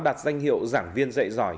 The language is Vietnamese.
đạt danh hiệu giảng viên dạy giỏi